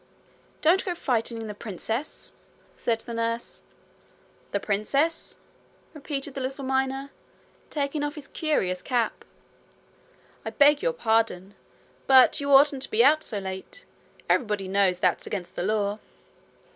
'Don't go frightening the princess,' said the nurse. 'The princess!' repeated the little miner, taking off his curious cap. 'I beg your pardon; but you oughtn't to be out so late. Everybody knows that's against the law.'